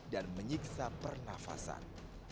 dan menyiksa pernafasan